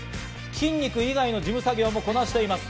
筋肉以外の事務作業もこなしています。